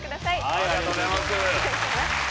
はいありがとうございますええ！